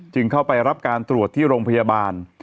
เข้าไปรับการตรวจที่โรงพยาบาล